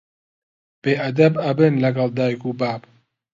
بێ ئەدەب ئەبن لەگەڵ دایک و باب